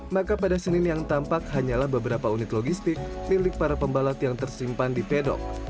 maka pada senin yang tampak hanyalah beberapa unit logistik milik para pembalap yang tersimpan di pedok